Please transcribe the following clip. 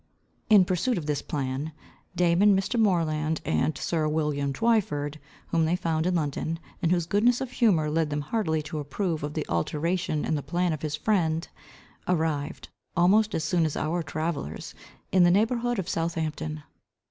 In pursuit of this plan, Damon, Mr. Moreland, and sir William Twyford, whom they found in London, and whose goodness of humour led him heartily to approve of the alteration in the plan of his friend, arrived, almost as soon as our travellers, in the neighbourhood of Southampton.